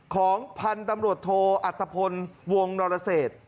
ของพันธุ์ตำรวจโทอัตภพลวงนรเศษ